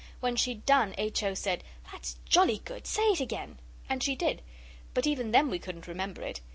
When she'd done, H. O. said, 'That's jolly good! Say it again!' and she did, but even then we couldn't remember it.